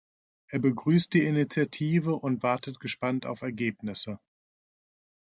Er begrüßt die Initiative und wartet gespannt auf Ergebnisse.